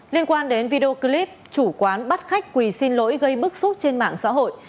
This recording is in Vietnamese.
liên quan đến video clip chủ quán bắt khách quỳ xin lỗi gây bức xúc trên mạng xã hội